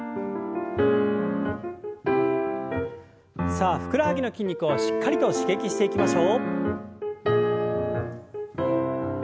さあふくらはぎの筋肉をしっかりと刺激していきましょう。